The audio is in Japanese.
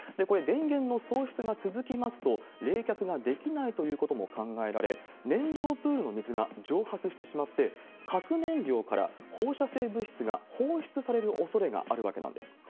これ、電源の喪失が続きますと、冷却ができないということも考えられ、燃料プールの水が蒸発してしまって、核燃料から放射性物質が放出されるおそれがあるわけなんです。